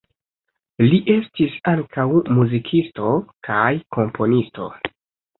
Li estis ankaŭ muzikisto kaj komponisto.